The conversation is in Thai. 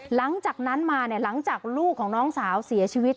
หลังจากนั้นมาเนี่ยหลังจากลูกของน้องสาวเสียชีวิต